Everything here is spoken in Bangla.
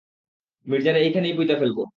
মির্জা রে এইখানেই পুইতা ফেলবো।